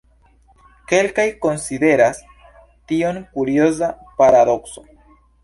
Kelkaj konsideras tion kurioza paradokso.